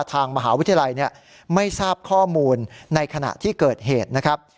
ทางมหาวิทยาลัยไม่ทราบข้อมูลในขณะที่เกิดเหตุนะครับ